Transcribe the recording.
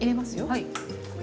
はい。